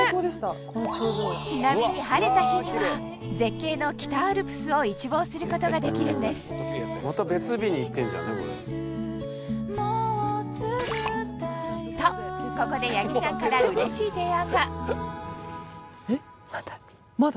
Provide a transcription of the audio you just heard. ちなみに晴れた日には絶景の北アルプスを一望することができるんですとここでやぎちゃんからえっまだ？